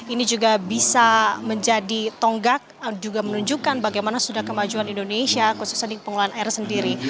ini juga bisa menjadi tonggak juga menunjukkan bagaimana sudah kemajuan indonesia khususnya di pengelolaan air sendiri